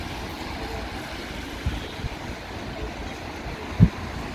তবু আমি তাকে ঘাঁটাইতে সাহস করিতাম না।